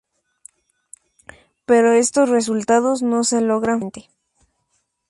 Pero estos resultados no se logran fácilmente.